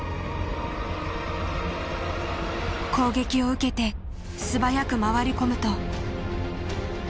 攻撃を受けて素早く回り込むと。